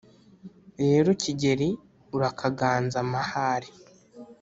rero kigeli urakaganza amahari